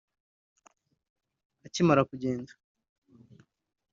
Akimara kugenda